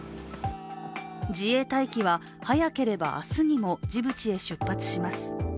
自衛隊機は早ければ明日にもジブチへ出発します。